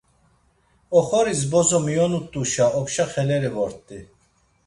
Oxoris bozo miyonut̆uşa opşa xeleri vort̆i.